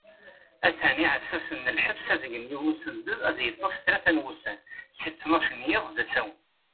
Atan iεessasen n lḥebs ad gen yiwen usunded ad yeṭṭfen tlata n wussan si ttnac n yiḍ d asawen.